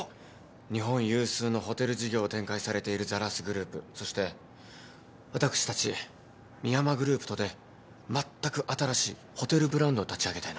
日本有数のホテル事業を展開されているザラスグループそして私たち深山グループとでまったく新しいホテルブランドを立ち上げたいのです。